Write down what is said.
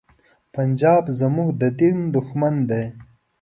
پنجاب زمونږ د دین دښمن دی.